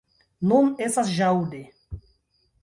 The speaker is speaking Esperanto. Nun estas ĵaŭde.